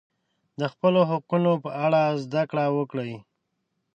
د خپلو حقونو په اړه زده کړه وکړئ.